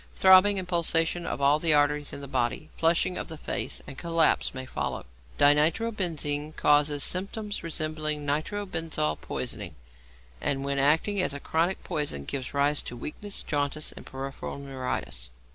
Throbbing and pulsation of all the arteries in the body; flushing of the face and collapse may follow. =Dinitrobenzene= causes symptoms resembling nitro benzol poisoning, and when acting as a chronic poison gives rise to weakness, jaundice, peripheral neuritis.